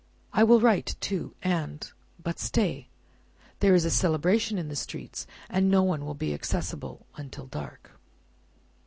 I will write too, and But stay! There is a Celebration in the streets, and no one will be accessible until dark."